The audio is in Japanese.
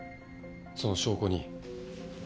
その証拠に。